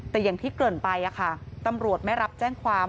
แต่อย่างที่เกินไปตำรวจไม่รับแจ้งความ